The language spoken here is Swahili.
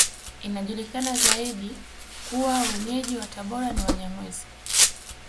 Inajulikana zaidi kuwa Wenyeji wa Tabora ni Wanyamwezi